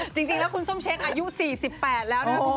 จริงแล้วคุณส้มเช้งอายุ๔๘แล้วนะคุณ